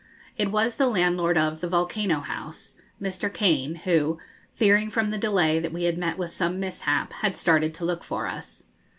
It was the landlord of the 'Volcano House,' Mr. Kane, who, fearing from the delay that we had met with some mishap, had started to look for us.